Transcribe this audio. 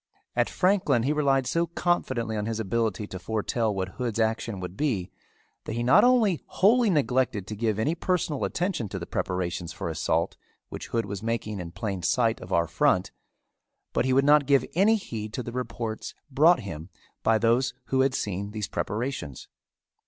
At Franklin he relied so confidently on his ability to foretell what Hood's action would be that he not only wholly neglected to give any personal attention to the preparations for assault which Hood was making in plain sight of our front but he would not give any heed to the reports brought him by those who had seen these preparations.